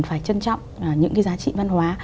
phải trân trọng những cái giá trị văn hóa